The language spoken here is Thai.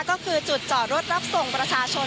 ก็คือจุดจอดรถรับส่งประชาชน